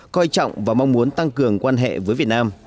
coi trọng và mong muốn tăng cường quan hệ với việt nam